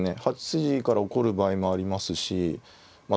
８筋から起こる場合もありますしま